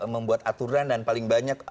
membuat aturan dan paling banyak